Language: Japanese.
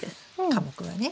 科目はね。